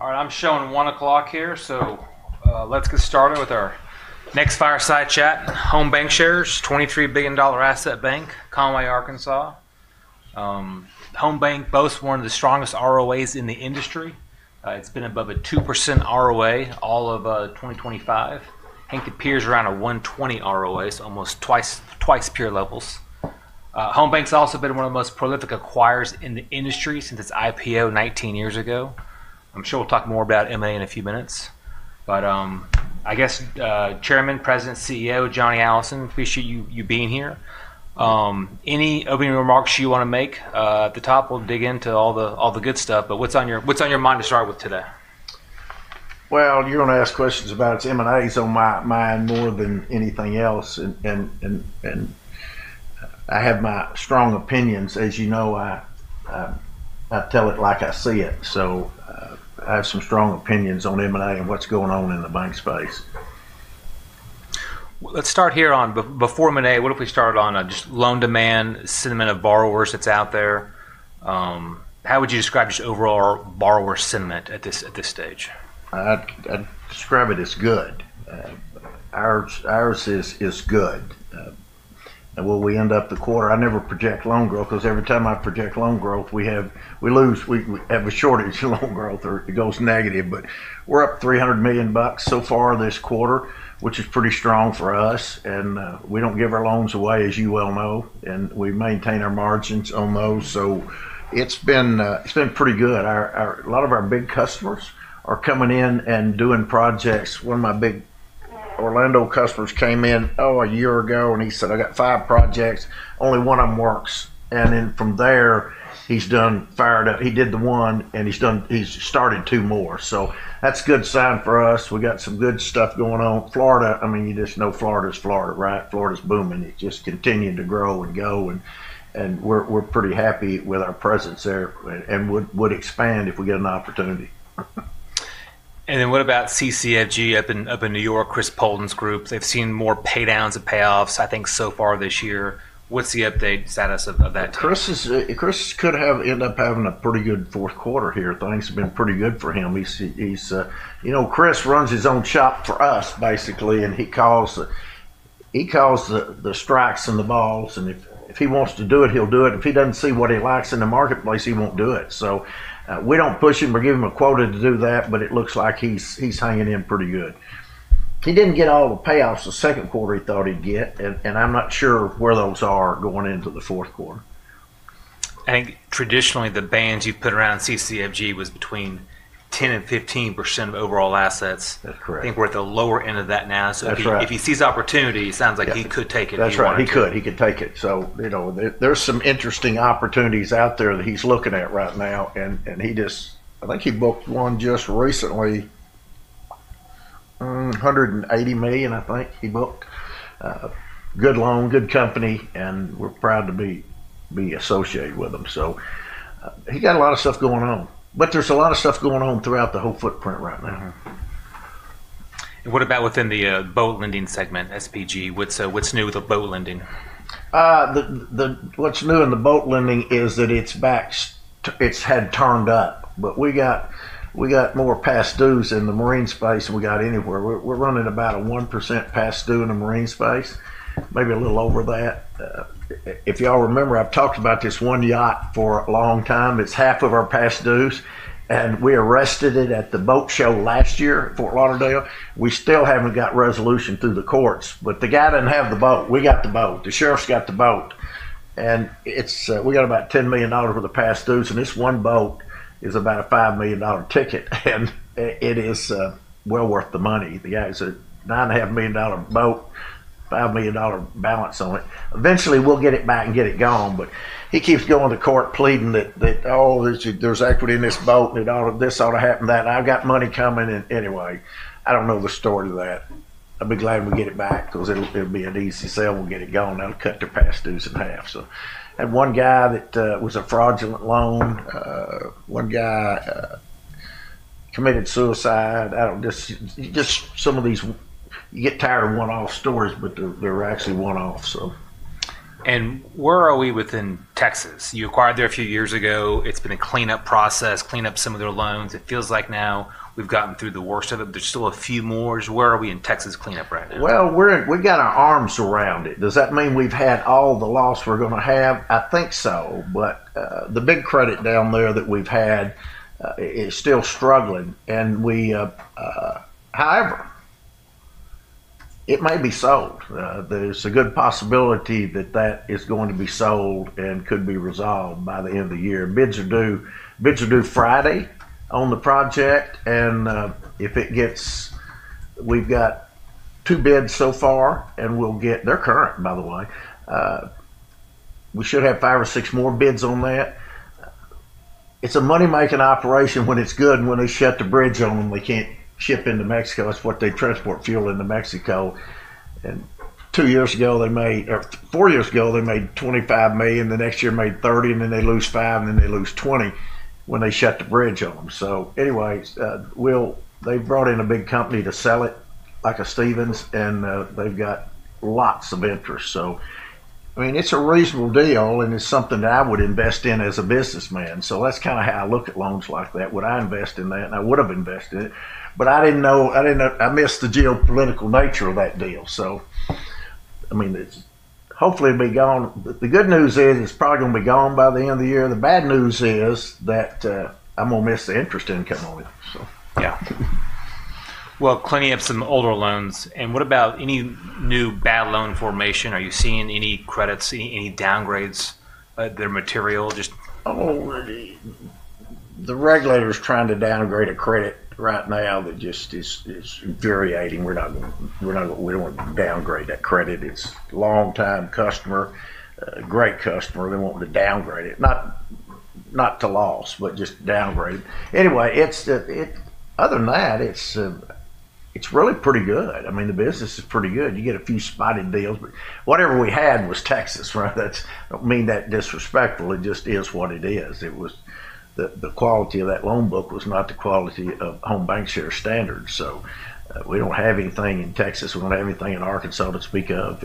All right, I'm showing 1:00 here, so let's get started with our next fireside chat. Home BancShares, $23 billion asset bank, Conway, Arkansas. Home BancShares boasts one of the strongest ROAs in the industry. It's been above a 2% ROA all of 2025. I think peers are around a 1.20% ROA, so almost twice peer levels. Home BancShares has also been one of the most prolific acquirers in the industry since its IPO 19 years ago. I'm sure we'll talk more about M&A in a few minutes. I guess Chairman, President, CEO, John W. Allison, appreciate you being here. Any opening remarks you want to make? At the top, we'll dig into all the good stuff, but what's on your mind to start with today? You're going to ask questions about it. M&A is on my mind more than anything else, and I have my strong opinions. As you know, I tell it like I see it. I have some strong opinions on M&A and what's going on in the bank space. Let's start here on, before M&A, what did we start on? Just loan demand, sentiment of borrowers that's out there. How would you describe just overall borrower sentiment at this stage? I'd describe it as good. Ours is good. Will we end up the quarter? I never project loan growth because every time I project loan growth, we lose. We have a shortage of loan growth, or it goes negative. We're up $300 million so far this quarter, which is pretty strong for us. We don't give our loans away, as you well know, and we maintain our margins on those. It's been pretty good. A lot of our big customers are coming in and doing projects. One of my big Orlando customers came in, oh, a year ago, and he said, "I got five projects. Only one of them works." From there, he's done fired up. He did the one, and he's started two more. That's a good sign for us. We got some good stuff going on. Florida, I mean, you just know Florida's Florida, right? Florida's booming. It's just continuing to grow and go. We're pretty happy with our presence there and would expand if we get an opportunity. What about CCFG up in New York, Chris Poulton's group? They've seen more paydowns and payoffs, I think, so far this year. What's the update status of that? Chris could have ended up having a pretty good fourth quarter here. Things have been pretty good for him. You know, Chris runs his own shop for us, basically, and he calls the strikes and the balls. If he wants to do it, he'll do it. If he doesn't see what he likes in the marketplace, he won't do it. We don't push him. We give him a quota to do that, but it looks like he's hanging in pretty good. He didn't get all the payoffs the second quarter he thought he'd get, and I'm not sure where those are going into the fourth quarter. Traditionally, the bands you put around CCFG was between 10% and 15% of overall assets. That's correct. I think we're at the lower end of that now. If he sees opportunity, it sounds like he could take it. That's right. He could. He could take it. There are some interesting opportunities out there that he's looking at right now. I think he booked one just recently, $180 million, I think he booked. Good loan, good company, and we're proud to be associated with them. He has a lot of stuff going on. There is a lot of stuff going on throughout the whole footprint right now. What about within the boat lending segment, SPG? What's new with the boat lending? What's new in the boat lending is that it's had turned up. But we got more past dues in the marine space than we got anywhere. We're running about a 1% past due in the marine space, maybe a little over that. If y'all remember, I've talked about this one yacht for a long time. It's half of our past dues, and we arrested it at the boat show last year in Fort Lauderdale. We still haven't got resolution through the courts. But the guy doesn't have the boat. We got the boat. The sheriff's got the boat. And we got about $10 million worth of past dues, and this one boat is about a $5 million ticket. And it is well worth the money. The guy's a $9.5 million boat, $5 million balance on it. Eventually, we'll get it back and get it gone. He keeps going to court pleading that, "Oh, there's equity in this boat, and this ought to happen that. I've got money coming." Anyway, I don't know the story of that. I'll be glad we get it back because it'll be an easy sale. We'll get it gone. That'll cut their past dues in half. That one guy that was a fraudulent loan, one guy committed suicide. Just some of these you get tired of one-off stories, but they're actually one-off, so. Where are we within Texas? You acquired there a few years ago. It's been a cleanup process, clean up some of their loans. It feels like now we've gotten through the worst of it, but there's still a few more. Where are we in Texas cleanup right now? We've got our arms around it. Does that mean we've had all the loss we're going to have? I think so. The big credit down there that we've had is still struggling. However, it may be sold. There's a good possibility that that is going to be sold and could be resolved by the end of the year. Bids are due Friday on the project. If it gets, we've got two bids so far, and they're current, by the way. We should have five or six more bids on that. It's a money-making operation when it's good. When they shut the bridge on them, they can't ship into Mexico. That's what they transport fuel into Mexico. Two years ago, they made or four years ago, they made $25 million. The next year, made 30, and then they lose 5, and then they lose 20 when they shut the bridge on them. Anyway, they brought in a big company to sell it, like a Stephens, and they've got lots of interest. I mean, it's a reasonable deal, and it's something that I would invest in as a businessman. That's kind of how I look at loans like that. Would I invest in that? I would have invested in it. I didn't know I missed the geopolitical nature of that deal. I mean, hopefully, it'll be gone. The good news is it's probably going to be gone by the end of the year. The bad news is that I'm going to miss the interest income on it. Yeah. Plenty of some older loans. What about any new bad loan formation? Are you seeing any credits, any downgrades? They're material. Just. Oh, the regulator's trying to downgrade a credit right now that just is infuriating. We don't want to downgrade that credit. It's a longtime customer, great customer. They want to downgrade it. Not to loss, but just downgrade it. Anyway, other than that, it's really pretty good. I mean, the business is pretty good. You get a few spotted deals. Whatever we had was Texas, right? I don't mean that disrespectful. It just is what it is. The quality of that loan book was not the quality of Home BancShares' standards. We don't have anything in Texas. We don't have anything in Arkansas to speak of.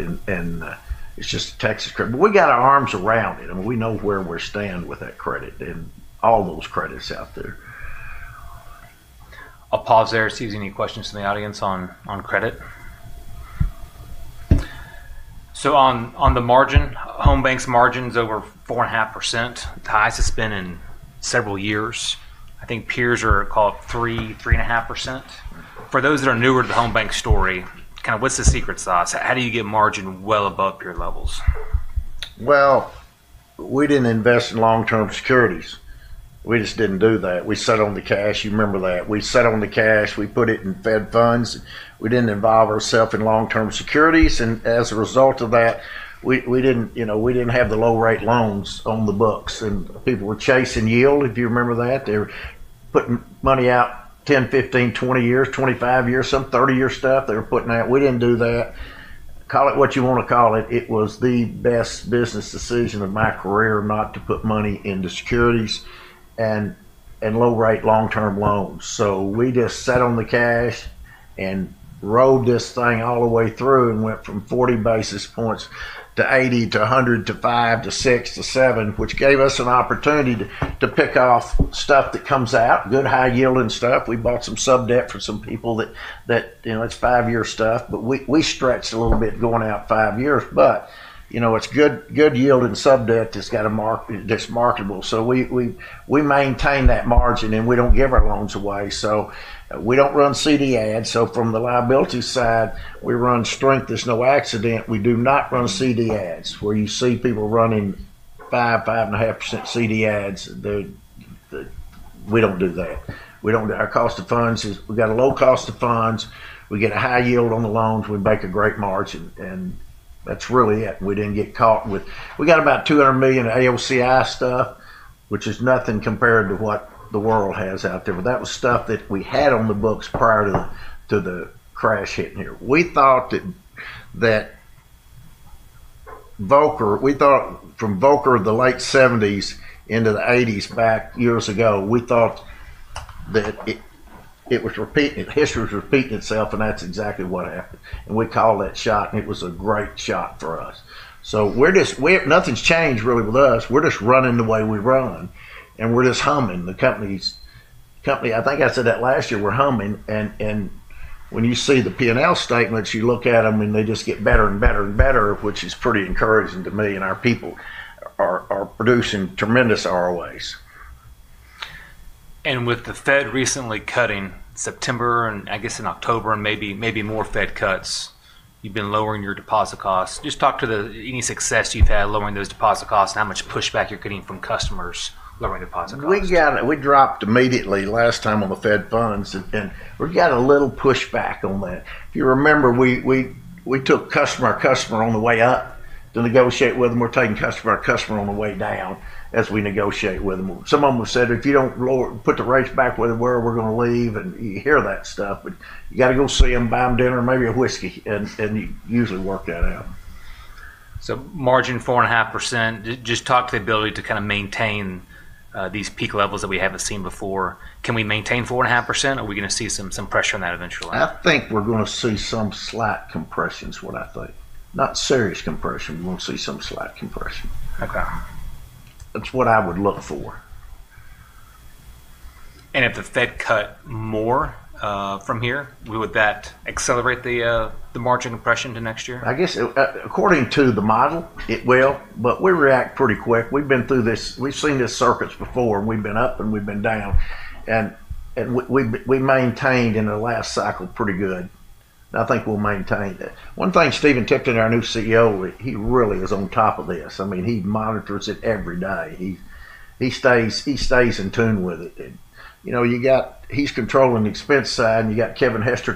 It's just a Texas credit. We got our arms around it. I mean, we know where we're standing with that credit and all those credits out there. I'll pause there. See if there's any questions from the audience on credit. On the margin, Home BancShares' margin's over 4.5%. The highest it's been in several years. I think peers are called 3–3.5%. For those that are newer to the Home BancShares story, kind of what's the secret sauce? How do you get margin well above peer levels? We did not invest in long-term securities. We just did not do that. We sat on the cash. You remember that. We sat on the cash. We put it in Fed funds. We did not involve ourselves in long-term securities. As a result of that, we did not have the low-rate loans on the books. People were chasing yield, if you remember that. They were putting money out 10, 15, 20 years, 25 years, some 30-year stuff. They were putting out. We did not do that. Call it what you want to call it. It was the best business decision of my career not to put money into securities and low-rate long-term loans. We just sat on the cash and rode this thing all the way through and went from 40 basis points to 80–100–5–6–7, which gave us an opportunity to pick off stuff that comes out, good high-yielding stuff. We bought some sub-debt for some people that it's five-year stuff. We stretched a little bit going out five years. It is good yield and sub-debt that is marketable. We maintain that margin, and we do not give our loans away. We do not run CD ads. From the liability side, we run strength. There is no accident. We do not run CD ads where you see people running 5%–5.5% CD ads. We do not do that. Our cost of funds is we have a low cost of funds. We get a high yield on the loans. We make a great margin. That's really it. We didn't get caught with we got about $200 million AOCI stuff, which is nothing compared to what the world has out there. That was stuff that we had on the books prior to the crash hitting here. We thought that Volcker from Volcker of the late 1970s into the 1980s back years ago, we thought that it was repeating. History was repeating itself, and that's exactly what happened. We called that shot, and it was a great shot for us. Nothing's changed really with us. We're just running the way we run, and we're just humming. I think I said that last year. We're humming. When you see the P&L statements, you look at them, and they just get better and better and better, which is pretty encouraging to me. Our people are producing tremendous ROAs. With the Fed recently cutting September and I guess in October and maybe more Fed cuts, you've been lowering your deposit costs. Just talk to any success you've had lowering those deposit costs and how much pushback you're getting from customers lowering deposit costs. We dropped immediately last time on the Fed funds, and we got a little pushback on that. If you remember, we took customer to customer on the way up to negotiate with them. We're taking customer to customer on the way down as we negotiate with them. Some of them have said, "If you don't put the rates back where we're going to leave," and you hear that stuff. You got to go see them, buy them dinner, maybe a whiskey, and usually work that out. Margin 4.5%. Just talk to the ability to kind of maintain these peak levels that we haven't seen before. Can we maintain 4.5%? Are we going to see some pressure on that eventually? I think we're going to see some slight compression is what I think. Not serious compression. We're going to see some slight compression. That's what I would look for. If the Fed cut more from here, would that accelerate the margin compression to next year? I guess according to the model, it will. We react pretty quick. We've been through this. We've seen this circuits before. We've been up and we've been down. We maintained in the last cycle pretty good. I think we'll maintain that. One thing, Stephen Tipton, our new CEO, he really is on top of this. I mean, he monitors it every day. He stays in tune with it. He's controlling the expense side, and you got Kevin Hester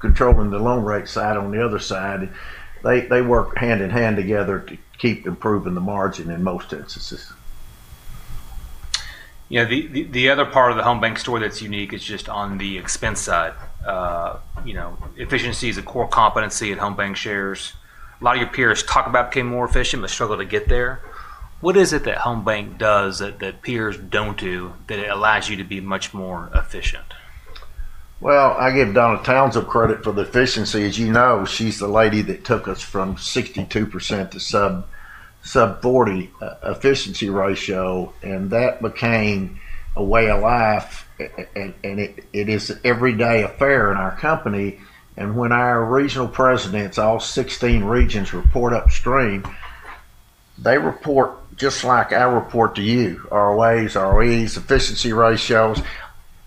controlling the loan rate side on the other side. They work hand in hand together to keep improving the margin in most instances. Yeah. The other part of the Home BancShares story that's unique is just on the expense side. Efficiency is a core competency at Home BancShares. A lot of your peers talk about becoming more efficient but struggle to get there. What is it that Home BancShares does that peers do not do that allows you to be much more efficient? I give Donna Townsend credit for the efficiency. As you know, she's the lady that took us from 62% to sub-40% efficiency ratio. That became a way of life, and it is an everyday affair in our company. When our regional presidents, all 16 regions, report upstream, they report just like I report to you: ROAs, ROEs, efficiency ratios,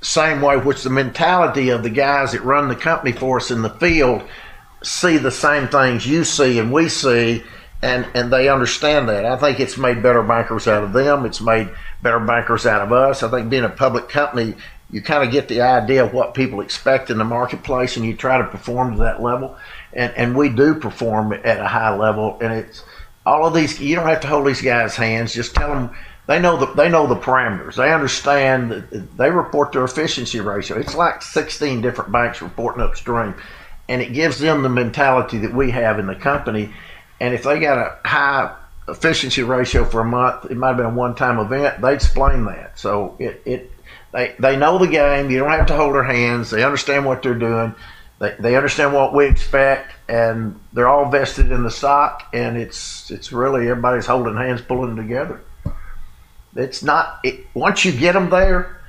same way, which the mentality of the guys that run the company for us in the field see the same things you see and we see, and they understand that. I think it's made better bankers out of them. It's made better bankers out of us. I think being a public company, you kind of get the idea of what people expect in the marketplace, and you try to perform to that level. We do perform at a high level. All of these, you do not have to hold these guys' hands. Just tell them they know the parameters. They understand that they report their efficiency ratio. It is like 16 different banks reporting upstream. It gives them the mentality that we have in the company. If they got a high efficiency ratio for a month, it might have been a one-time event, they explain that. They know the game. You do not have to hold their hands. They understand what they are doing. They understand what we expect. They are all vested in the stock. It is really everybody holding hands, pulling together. Once you get them there,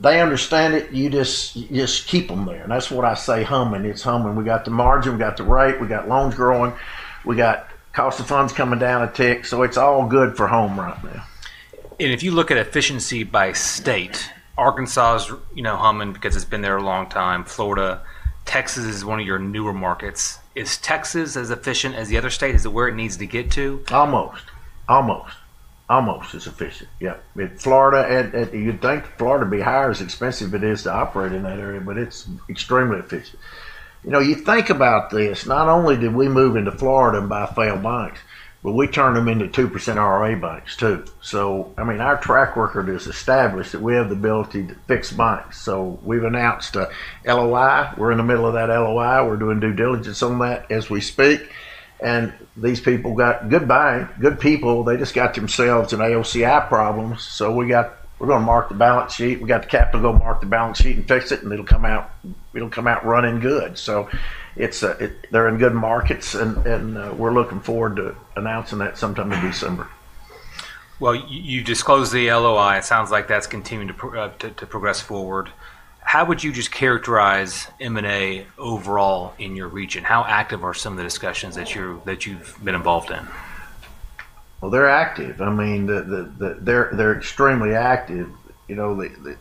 they understand it. You just keep them there. That is what I say humming. It is humming. We got the margin. We got the rate. We got loans growing. We got cost of funds coming down a tick. It's all good for Home right now. If you look at efficiency by state, Arkansas is humming because it's been there a long time. Florida. Texas is one of your newer markets. Is Texas as efficient as the other state? Is it where it needs to get to? Almost. Almost. Almost as efficient. Yeah. You'd think Florida would be higher as expensive as it is to operate in that area, but it's extremely efficient. You think about this. Not only did we move into Florida and buy failed banks, but we turned them into 2% ROA banks too. I mean, our track record is established that we have the ability to fix banks. We have announced a LOI. We are in the middle of that LOI. We are doing due diligence on that as we speak. These people have good people. They just got themselves an AOCI problem. We are going to mark the balance sheet. We have the capital to go mark the balance sheet and fix it, and it will come out running good. They are in good markets, and we are looking forward to announcing that sometime in December. You disclosed the LOI. It sounds like that's continuing to progress forward. How would you just characterize M&A overall in your region? How active are some of the discussions that you've been involved in? They're active. I mean, they're extremely active. The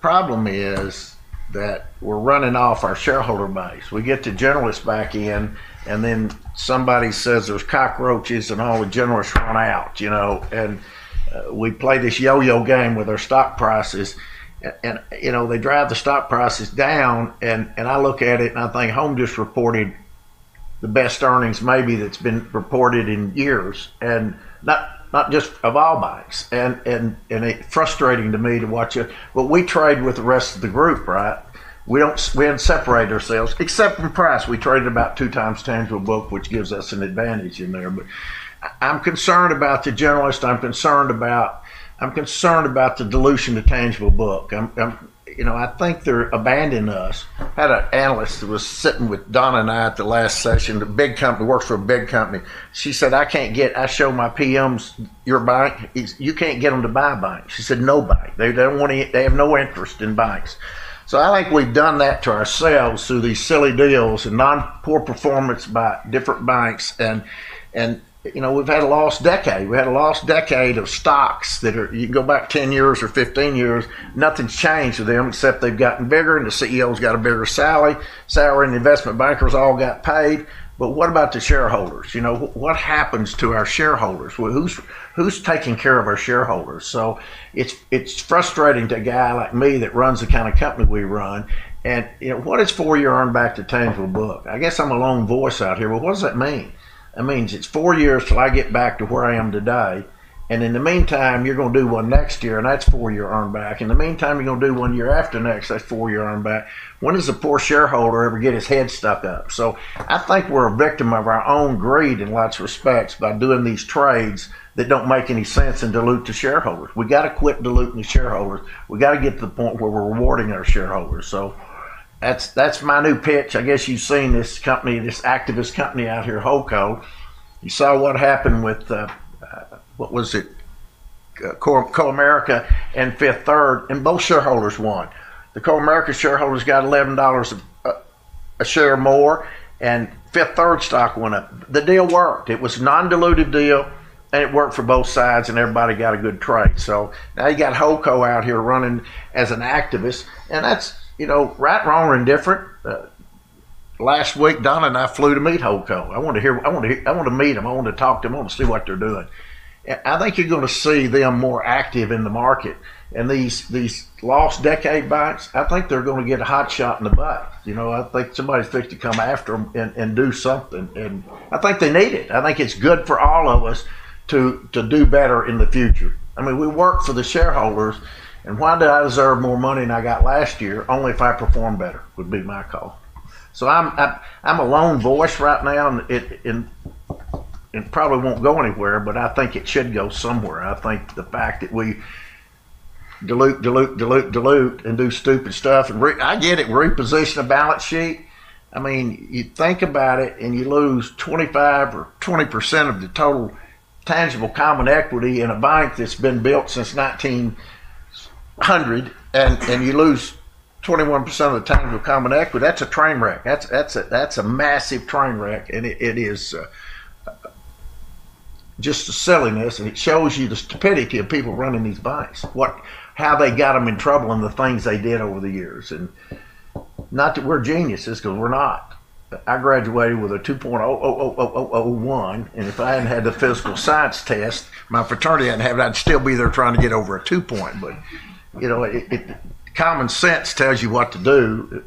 problem is that we're running off our shareholder base. We get the generalists back in, and then somebody says there's cockroaches and all the generalists run out. We play this yo-yo game with our stock prices. They drive the stock prices down. I look at it, and I think Home just reported the best earnings maybe that's been reported in years, and not just of all banks. It's frustrating to me to watch it. We trade with the rest of the group, right? We haven't separated ourselves except from price. We trade about two times tangible book, which gives us an advantage in there. I'm concerned about the generalists. I'm concerned about the dilution of tangible book. I think they're abandoning us. I had an analyst who was sitting with Donna and I at the last session, a big company. Works for a big company. She said, "I can't get I show my PMs your bank. You can't get them to buy banks." She said, "No bank." They have no interest in banks. I think we've done that to ourselves through these silly deals and non-poor performance by different banks. We've had a lost decade. We had a lost decade of stocks that are you can go back 10 years or 15 years. Nothing's changed for them except they've gotten bigger, and the CEO's got a bigger salary, and the investment bankers all got paid. What about the shareholders? What happens to our shareholders? Who's taking care of our shareholders? It's frustrating to a guy like me that runs the kind of company we run. What is four-year earned back to tangible book? I guess I'm a long voice out here. What does that mean? That means it's four years till I get back to where I am today. In the meantime, you're going to do one next year, and that's four-year earned back. In the meantime, you're going to do one year after next. That's four-year earned back. When does a poor shareholder ever get his head stuck up? I think we're a victim of our own greed in lots of respects by doing these trades that don't make any sense and dilute the shareholders. We got to quit diluting the shareholders. We got to get to the point where we're rewarding our shareholders. That's my new pitch. I guess you've seen this company, this activist company out here, WhaleCo. You saw what happened with what was it? Comerica and Fifth Third. And both shareholders won. The Comerica shareholders got $11 a share more, and Fifth Third stock went up. The deal worked. It was a non-diluted deal, and it worked for both sides, and everybody got a good trade. Now you got WhaleCo out here running as an activist. That is right, wrong, or indifferent. Last week, Donna and I flew to meet WhaleCo. I want to hear, I want to meet them. I want to talk to them. I want to see what they're doing. I think you're going to see them more active in the market. These lost decade banks, I think they're going to get a hot shot in the butt. I think somebody's fixed to come after them and do something. I think they need it. I think it's good for all of us to do better in the future. I mean, we work for the shareholders. Why did I deserve more money than I got last year? Only if I perform better would be my call. I'm a long voice right now, and it probably won't go anywhere, but I think it should go somewhere. I think the fact that we dilute, dilute, dilute, and do stupid stuff and I get it, reposition a balance sheet. I mean, you think about it, and you lose 25% or 20% of the total tangible common equity in a bank that's been built since 1900, and you lose 21% of the tangible common equity, that's a train wreck. That's a massive train wreck. It is just a silliness. It shows you the stupidity of people running these banks, how they got them in trouble, and the things they did over the years. Not that we're geniuses because we're not. I graduated with a 2.00001. If I hadn't had the physical science test, my fraternity hadn't had it, I'd still be there trying to get over a 2 point. Common sense tells you what to do.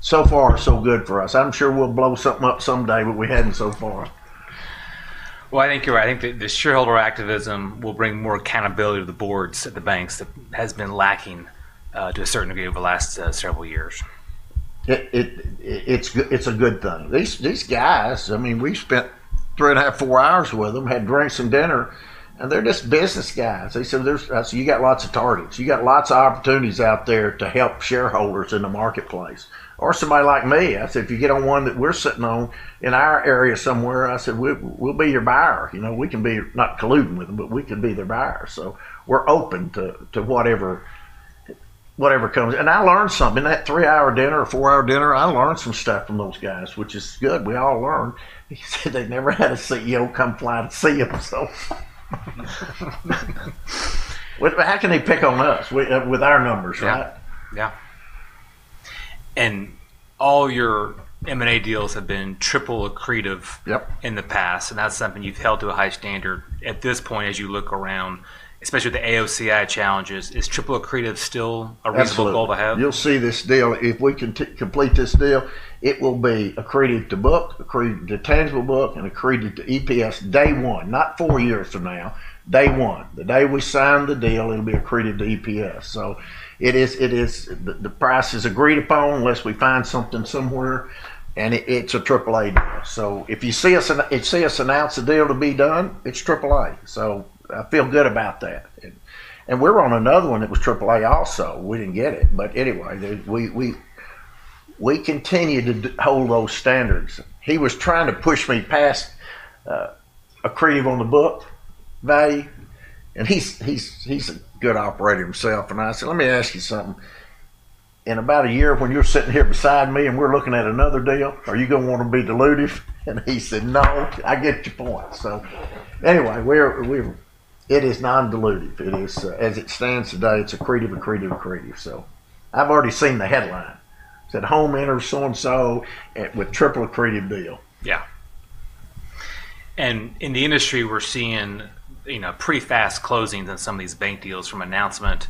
So far, so good for us. I'm sure we'll blow something up someday, but we hadn't so far. I think you're right. I think the shareholder activism will bring more accountability to the boards at the banks that has been lacking to a certain degree over the last several years. It's a good thing. These guys, I mean, we spent three and a half, four hours with them, had drinks and dinner, and they're just business guys. They said, "So you got lots of targets. You got lots of opportunities out there to help shareholders in the marketplace." Or somebody like me. I said, "If you get on one that we're sitting on in our area somewhere," I said, "we'll be your buyer." We can be not colluding with them, but we can be their buyer. We are open to whatever comes. I learned something in that three-hour dinner or four-hour dinner. I learned some stuff from those guys, which is good. We all learned. They said they never had a CEO come fly to see them. How can they pick on us with our numbers, right? Yeah. All your M&A deals have been triple accretive in the past. That is something you've held to a high standard. At this point, as you look around, especially with the AOCI challenges, is triple accretive still a reasonable goal to have? Absolutely. You'll see this deal. If we can complete this deal, it will be accretive to book, accretive to tangible book, and accretive to EPS day one, not four years from now, day one. The day we sign the deal, it'll be accretive to EPS. The price is agreed upon unless we find something somewhere. It is a triple A deal. If you see us announce a deal to be done, it is triple A. I feel good about that. We are on another one that was triple A also. We did not get it. Anyway, we continue to hold those standards. He was trying to push me past accretive on the book value. He is a good operator himself. I said, "Let me ask you something. In about a year, when you're sitting here beside me and we're looking at another deal, are you going to want to be diluted?" He said, "No. I get your point." It is non-diluted. As it stands today, it's accreted, accreted, accreted. I've already seen the headline. He said, "Home enters so and so with triple accreted deal. Yeah. In the industry, we're seeing pretty fast closings in some of these bank deals from announcement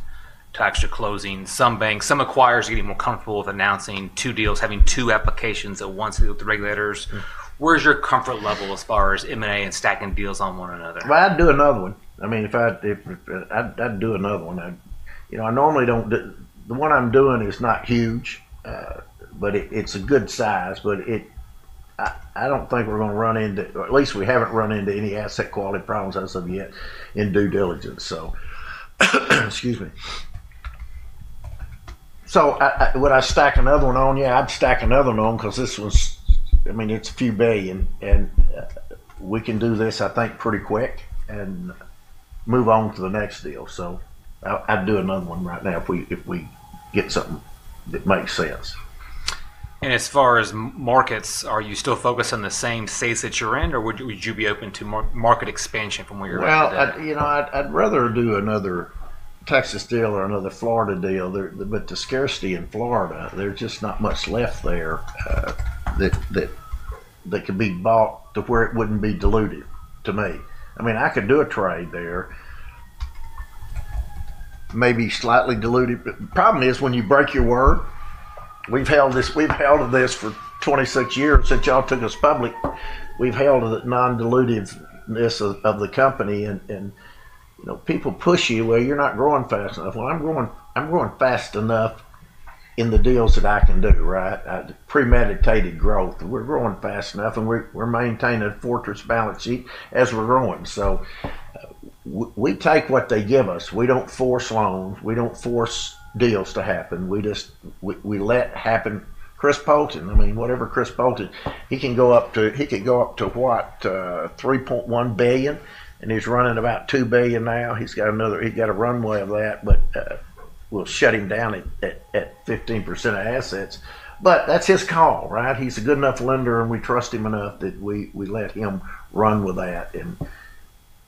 to actual closing. Some acquirers are getting more comfortable with announcing two deals, having two applications at once with the regulators. Where's your comfort level as far as M&A and stacking deals on one another? I'd do another one. I mean, I'd do another one. I normally don't do the one I'm doing is not huge, but it's a good size. I don't think we're going to run into, or at least we haven't run into any asset quality problems as of yet in due diligence. Excuse me. Would I stack another one on? Yeah, I'd stack another one on because this was, I mean, it's a few billion. We can do this, I think, pretty quick and move on to the next deal. I'd do another one right now if we get something that makes sense. As far as markets, are you still focused on the same state that you're in, or would you be open to market expansion from where you're at right now? I would rather do another Texas deal or another Florida deal. The scarcity in Florida, there is just not much left there that could be bought to where it would not be diluted to me. I mean, I could do a trade there, maybe slightly diluted. The problem is when you break your word, we have held this for 26 years since y'all took us public. We have held the non-dilutiveness of the company. People push you, "Well, you are not growing fast enough." I am growing fast enough in the deals that I can do, right? Premeditated growth. We are growing fast enough, and we are maintaining a fortress balance sheet as we are growing. We take what they give us. We do not force loans. We do not force deals to happen. We let happen. Chris Bolton, I mean, whatever Chris Bolton, he can go up to he could go up to what? $3.1 billion. And he's running about $2 billion now. He's got a runway of that. But we'll shut him down at 15% of assets. But that's his call, right? He's a good enough lender, and we trust him enough that we let him run with that. And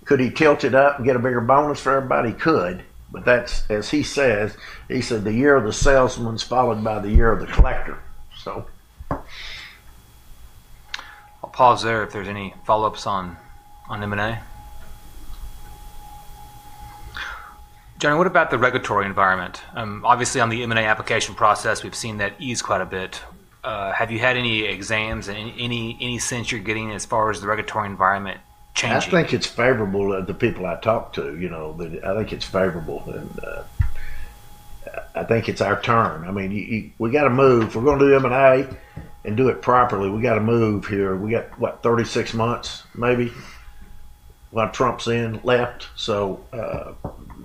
could he tilt it up and get a bigger bonus for everybody? He could. But as he says, he said, "The year of the salesman is followed by the year of the collector." So. I'll pause there if there's any follow-ups on M&A. John, what about the regulatory environment? Obviously, on the M&A application process, we've seen that ease quite a bit. Have you had any exams and any sense you're getting as far as the regulatory environment changing? I think it's favorable to the people I talk to. I think it's favorable. I think it's our turn. I mean, we got to move. We're going to do M&A and do it properly. We got to move here. We got what? 36 months maybe while Trump's in left.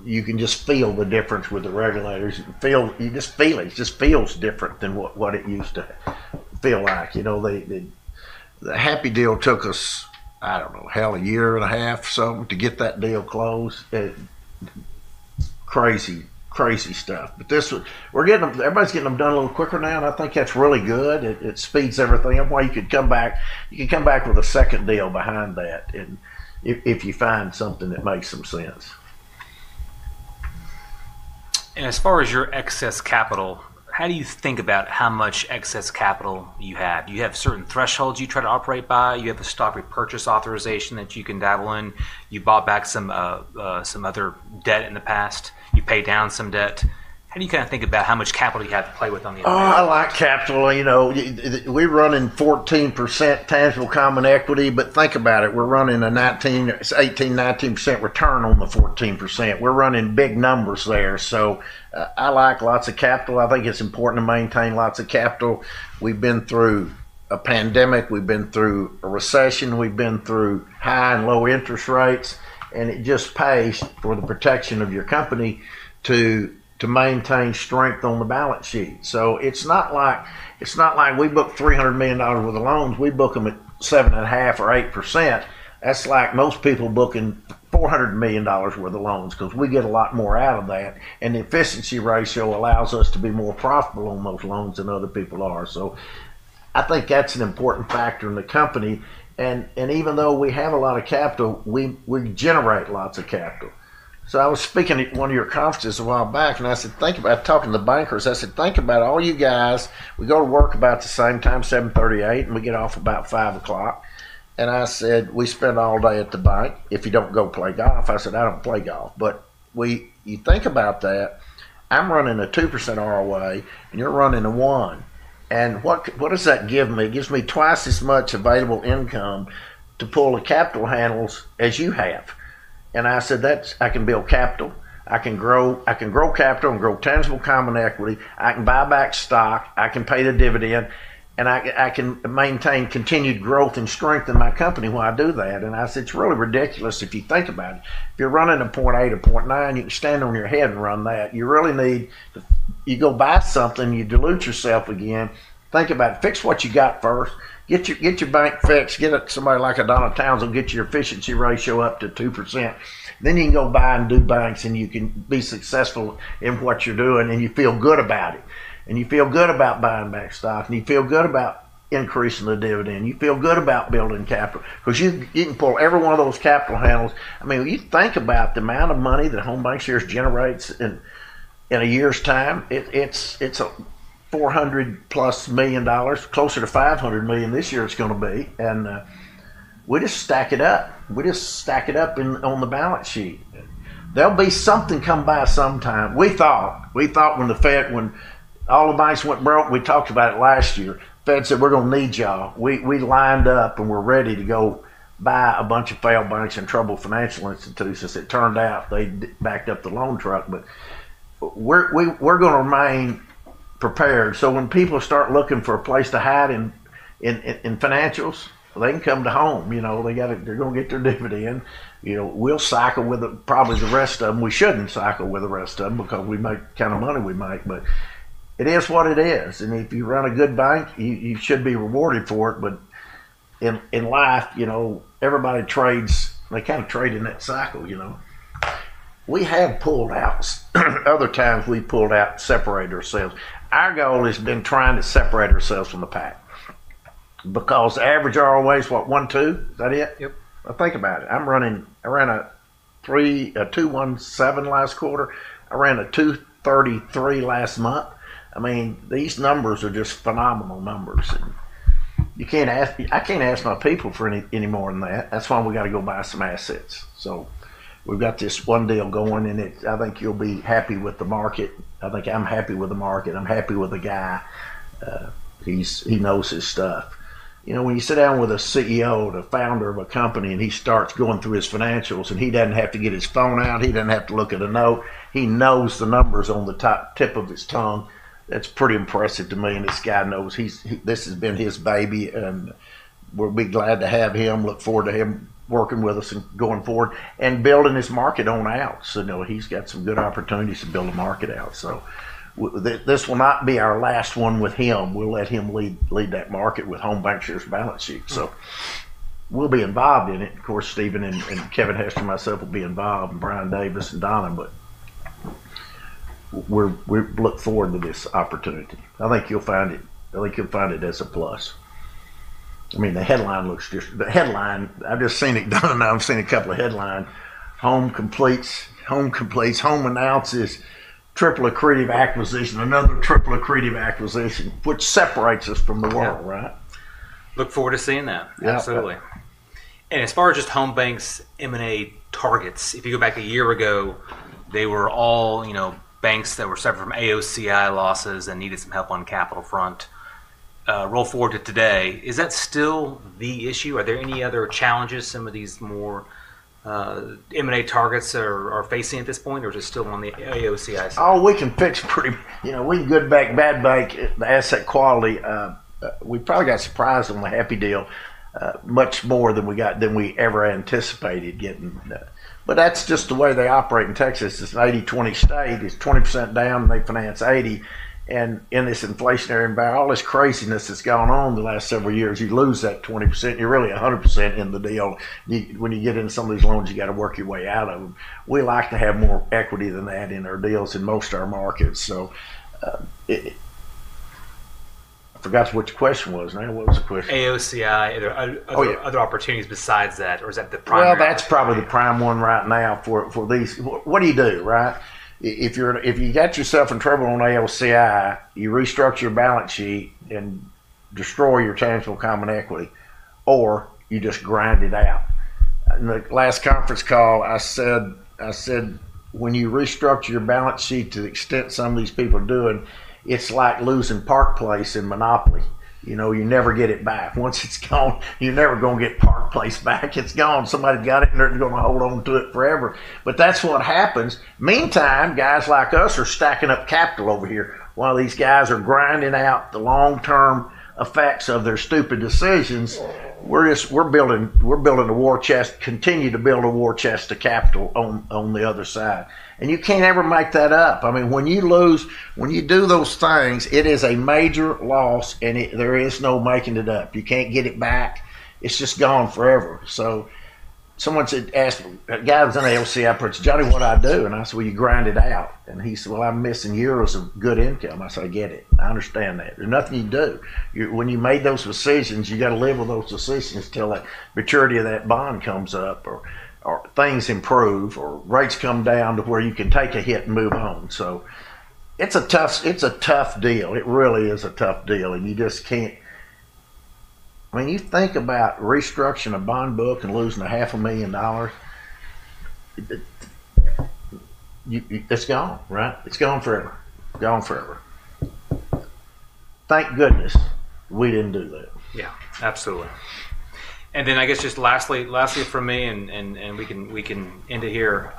You can just feel the difference with the regulators. You just feel it. It just feels different than what it used to feel like. The Happy Bancshares deal took us, I don't know, hell a year and a half or something to get that deal closed. Crazy, crazy stuff. Everybody's getting them done a little quicker now. I think that's really good. It speeds everything up. While you could come back, you can come back with a second deal behind that if you find something that makes some sense. As far as your excess capital, how do you think about how much excess capital you have? Do you have certain thresholds you try to operate by? You have a stock repurchase authorization that you can dabble in. You bought back some other debt in the past. You pay down some debt. How do you kind of think about how much capital you have to play with on the M&A? Oh, I like capital. We run in 14% tangible common equity. But think about it. We're running a 18-19% return on the 14%. We're running big numbers there. So I like lots of capital. I think it's important to maintain lots of capital. We've been through a pandemic. We've been through a recession. We've been through high and low interest rates. And it just pays for the protection of your company to maintain strength on the balance sheet. So it's not like we book $300 million worth of loans. We book them at 7.5% or 8%. That's like most people booking $400 million worth of loans because we get a lot more out of that. And the efficiency ratio allows us to be more profitable on those loans than other people are. So I think that's an important factor in the company. Even though we have a lot of capital, we generate lots of capital. I was speaking at one of your conferences a while back, and I said, "Think about talking to the bankers." I said, "Think about all you guys. We go to work about the same time, 7:38, and we get off about 5:00 P.M." I said, "We spend all day at the bank if you do not go play golf." I said, "I do not play golf. You think about that. I am running a 2% ROA, and you are running a 1. What does that give me? It gives me twice as much available income to pull the capital handles as you have." I said, "I can build capital. I can grow capital and grow tangible common equity. I can buy back stock. I can pay the dividend. I can maintain continued growth and strength in my company while I do that. I said, "It's really ridiculous if you think about it. If you're running a 0.8 or 0.9, you can stand on your head and run that. You really need to go buy something. You dilute yourself again. Think about it. Fix what you got first. Get your bank fixed. Get somebody like a Donna Townsend. Get your efficiency ratio up to 2%. You can go buy and do banks, and you can be successful in what you're doing. You feel good about it. You feel good about buying back stock. You feel good about increasing the dividend. You feel good about building capital." You can pull every one of those capital handles. I mean, you think about the amount of money that Home BancShares generates in a year's time. It's a $400 million-plus, closer to $500 million this year it's going to be. And we just stack it up. We just stack it up on the balance sheet. There'll be something come by sometime. We thought when all the banks went broke, we talked about it last year. The Fed said, "We're going to need y'all." We lined up, and we're ready to go buy a bunch of failed banks and troubled financial institutes. As it turned out, they backed up the loan truck. But we're going to remain prepared. So when people start looking for a place to hide in financials, they can come to Home. They're going to get their dividend. We'll cycle with probably the rest of them. We shouldn't cycle with the rest of them because we make the kind of money we make. It is what it is. If you run a good bank, you should be rewarded for it. In life, everybody trades. They kind of trade in that cycle. We have pulled out. Other times, we've pulled out to separate ourselves. Our goal has been trying to separate ourselves from the pack because average ROA is what? 1.2? Is that it? Yep. Think about it. I ran a 2.17 last quarter. I ran a 2.33 last month. I mean, these numbers are just phenomenal numbers. I can't ask my people for any more than that. That is why we got to go buy some assets. We have got this one deal going. I think you will be happy with the market. I think I am happy with the market. I am happy with the guy. He knows his stuff. When you sit down with a CEO, the founder of a company, and he starts going through his financials, and he does not have to get his phone out. He does not have to look at a note. He knows the numbers on the tip of his tongue. That is pretty impressive to me. This guy knows this has been his baby. We will be glad to have him, look forward to him working with us and going forward and building his market on out. He has some good opportunities to build a market out. This will not be our last one with him. We will let him lead that market with Home BancShares' balance sheets. We will be involved in it. Of course, Stephen and Kevin Hester and myself will be involved, and Brian Davis and Donna. We look forward to this opportunity. I think you will find it. I think you will find it as a plus. I mean, the headline looks just the headline. I have just seen it. I have seen a couple of headlines. Home completes. Home announces. Triple accretive acquisition. Another triple accretive acquisition, which separates us from the world, right? Look forward to seeing that. Absolutely. As far as just Home BancShares' M&A targets, if you go back a year ago, they were all banks that were suffering from AOCI losses and needed some help on the capital front. Roll forward to today. Is that still the issue? Are there any other challenges some of these more M&A targets are facing at this point? Is it still on the AOCI side? Oh, we can fix pretty much. We can good bank, bad bank, the asset quality. We probably got surprised on the Happy deal much more than we ever anticipated getting. That's just the way they operate in Texas. It's an 80/20 state. It's 20% down, and they finance 80. In this inflationary environment, all this craziness that's gone on the last several years, you lose that 20%. You're really 100% in the deal. When you get into some of these loans, you got to work your way out of them. We like to have more equity than that in our deals in most of our markets. I forgot what your question was. What was the question? AOCI, other opportunities besides that? Or is that the prime one? That is probably the prime one right now for these. What do you do, right? If you got yourself in trouble on AOCI, you restructure your balance sheet and destroy your tangible common equity, or you just grind it out. In the last conference call, I said, "When you restructure your balance sheet to the extent some of these people are doing, it's like losing Park Place in Monopoly. You never get it back. Once it's gone, you're never going to get Park Place back. It's gone. Somebody's got it, and they're going to hold on to it forever." That is what happens. Meantime, guys like us are stacking up capital over here while these guys are grinding out the long-term effects of their stupid decisions. We're building a war chest, continue to build a war chest of capital on the other side. You can't ever make that up. I mean, when you lose, when you do those things, it is a major loss, and there is no making it up. You can't get it back. It's just gone forever. Someone said, "Ask a guy who's in AOCI, 'Johnny, what do I do?'" I said, "You grind it out." He said, "I'm missing years of good income." I said, "I get it. I understand that. There's nothing you do. When you made those decisions, you got to live with those decisions till the maturity of that bond comes up or things improve or rates come down to where you can take a hit and move on." It is a tough deal. It really is a tough deal. You just can't, when you think about restructuring a bond book and losing $500,000, it's gone, right? It's gone forever. Gone forever. Thank goodness we didn't do that. Yeah. Absolutely. I guess just lastly for me, and we can end it here,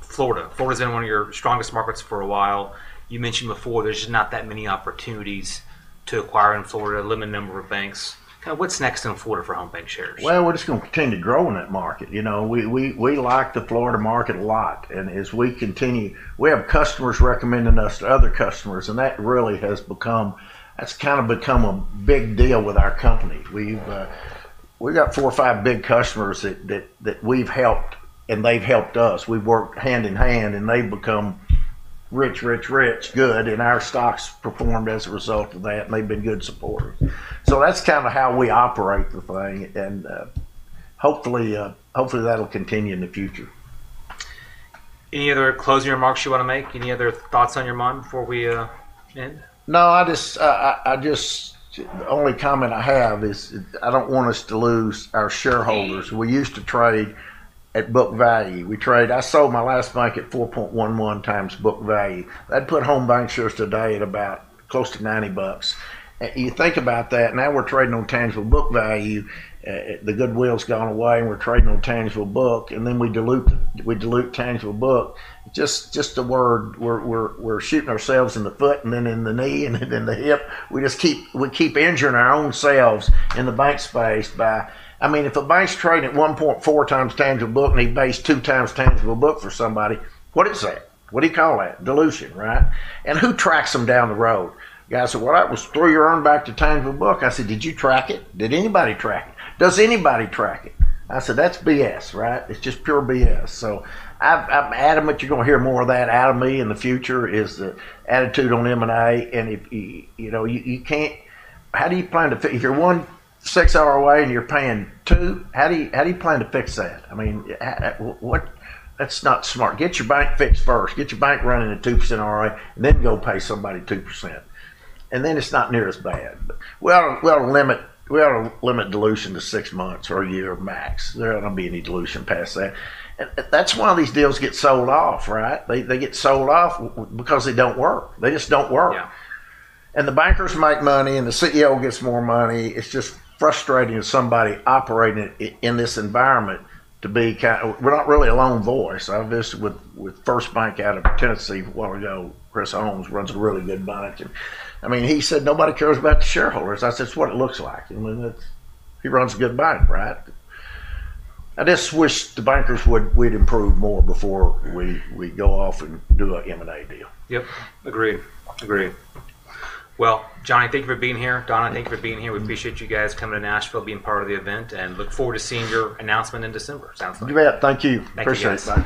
Florida. Florida's been one of your strongest markets for a while. You mentioned before there's just not that many opportunities to acquire in Florida, limited number of banks. Kind of what's next in Florida for Home BancShares? We're just going to continue to grow in that market. We like the Florida market a lot. As we continue, we have customers recommending us to other customers. That really has become, that's kind of become a big deal with our company. We've got four or five big customers that we've helped, and they've helped us. We've worked hand in hand, and they've become rich, rich, rich, good. Our stock's performed as a result of that, and they've been good supporters. That's kind of how we operate the thing. Hopefully, that'll continue in the future. Any other closing remarks you want to make? Any other thoughts on your mind before we end? No. The only comment I have is I don't want us to lose our shareholders. We used to trade at book value. I sold my last bank at 4.11x book value. That put Home BancShares today at about close to $90. You think about that. Now we're trading on tangible book value. The goodwill's gone away, and we're trading on tangible book. And then we dilute tangible book. Just the word, we're shooting ourselves in the foot and then in the knee and then in the hip. We keep injuring our own selves in the bank space by, I mean, if a bank's trading at 1.4x tangible book and he pays 2x tangible book for somebody, what is that? What do you call that? Dilution, right? And who tracks them down the road? Guys say, "That was throw your arm back to tangible book." I said, "Did you track it? Did anybody track it? Does anybody track it?" I said, "That's BS, right? It's just pure BS." I am adamant you're going to hear more of that out of me in the future is the attitude on M&A. How do you plan to fix if you're one six ROA and you're paying two? How do you plan to fix that? I mean, that's not smart. Get your bank fixed first. Get your bank running at 2% ROA and then go pay somebody 2%. Then it's not near as bad. We ought to limit dilution to six months or a year max. There will not be any dilution past that. That is why these deals get sold off, right? They get sold off because they do not work. They just do not work. The bankers make money, and the CEO gets more money. It's just frustrating as somebody operating in this environment to be kind of we're not really a lone voice. I visited with FirstBank out of Tennessee a while ago. Chris Holmes runs a really good bank. I mean, he said, "Nobody cares about the shareholders." I said, "It's what it looks like." He runs a good bank, right? I just wish the bankers would improve more before we go off and do an M&A deal. Agreed. Agreed. Johnny, thank you for being here. Donna, thank you for being here. We appreciate you guys coming to Nashville, being part of the event, and look forward to seeing your announcement in December. Sounds good. You bet. Thank you. Appreciate it.